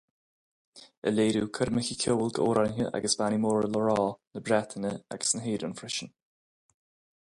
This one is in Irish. Ag léiriú coirmeacha ceoil d'amhránaithe agus bannaí móra le rá na Breataine agus na hÉireann freisin.